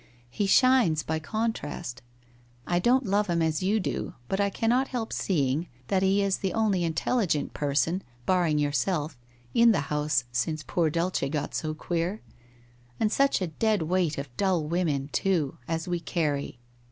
He shines, by contrast. I don't love him as you do, but I cannot help seeing that he is the only intelligent person, barring your self, in the house since poor Dulce got so queer. And such a dead weight of dull women, too, as we carry!